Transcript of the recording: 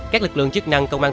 các lực lượng chức năng công an